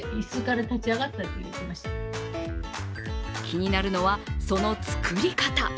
気になるのは、その作り方。